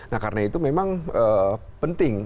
nah karena itu memang penting